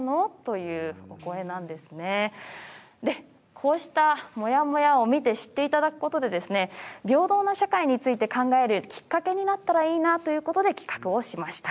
こうしたモヤモヤを見て知っていただくことで平等な社会について考えるきっかけになったらいいなということで企画をしました。